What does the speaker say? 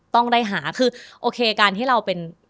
ต้องได้หาคือโอเคการที่เราเป็น